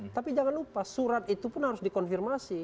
tapi jangan lupa surat itu pun harus dikonfirmasi